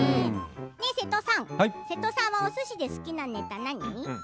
瀬戸さん、瀬戸さんはおすしで好きなネタは何？